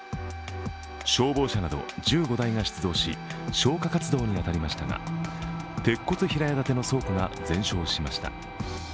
消防車など１５台が出動し、消火活動に当たりましたが鉄骨平屋建ての倉庫が全焼しました。